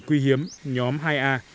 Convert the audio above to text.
quy hiếm nhóm hai a